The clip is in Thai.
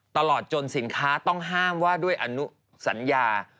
ตลอดจนสินค้าต้องห้ามว่าด้วยอนุสัญญา